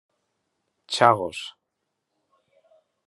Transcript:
Chagos.